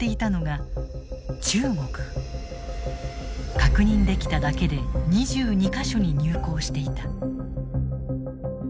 確認できただけで２２か所に入港していた。